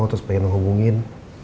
terus pengen ngehubungin